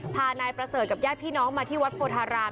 พานายประเสริฐกับญาติพี่น้องมาที่วัดโพธาราม